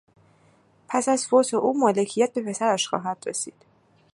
پس از فوت او مالکیت به پسرش خواهد رسید.